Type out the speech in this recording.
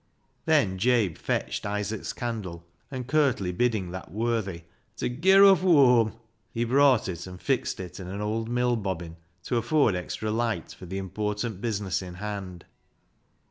Then Jabe fetched Isaac's candle, and, curtly bidding that worthy to " Ger off whoam," he brought it and fixed it in an old mill bobbin, to afford extra light for the important business in hand.